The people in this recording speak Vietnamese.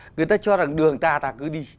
người ta cho rằng đường ta ta cứ đi